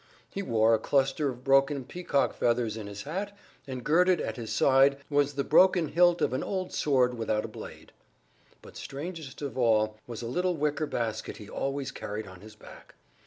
He wore a cluster of broken peacock feathers in his hat and girded at his side was the broken hilt of an old sword without a blade. But strangest of all was a little wicker basket he always carried on his back.